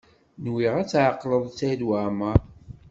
Nwiɣ ad tɛeqleḍ Saɛid Waɛmaṛ.